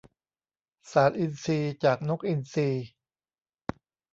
สารอินทรีย์จากนกอินทรี